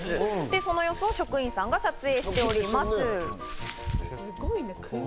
その様子を職員さんが撮影しております。